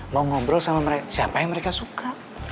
mau ngobrol sama siapa yang mereka suka